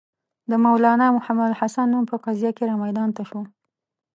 د مولنا محمودالحسن نوم په قضیه کې را میدان ته شو.